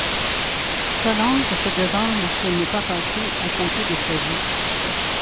Solange se demande si elle n'est pas passée à côté de sa vie.